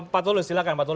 pak tulus silahkan